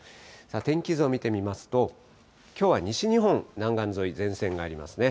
天気図を見てみますと、きょうは西日本、南岸沿い、前線がありますね。